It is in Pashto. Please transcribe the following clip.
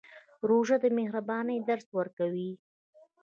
روژه د مهربانۍ درس ورکوي.